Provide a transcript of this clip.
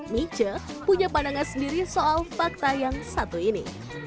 miche punya pandangan sendiri soal fakta yang satu ini